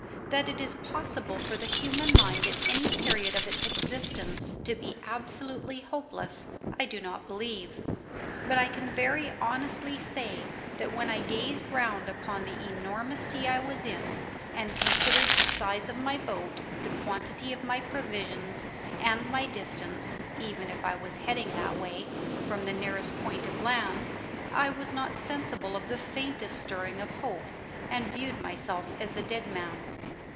That it is possible for the human mind at any period of its existence to be absolutely hopeless I do not believe; but I can very honestly say that when I gazed round upon the enormous sea I was in, and considered the size of my boat, the quantity of my provisions, and my distance (even if I was heading that way) from the nearest point of land, I was not sensible of the faintest stirring of hope, and viewed myself as a dead man.